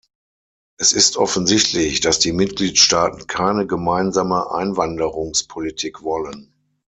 Es ist offensichtlich, dass die Mitgliedstaaten keine gemeinsame Einwanderungspolitik wollen.